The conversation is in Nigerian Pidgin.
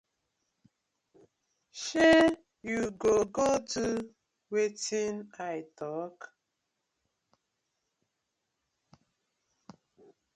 Shey yu go do wetin I tok.